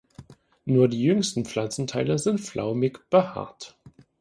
Nur die jüngsten Pflanzenteile sind flaumig behaart.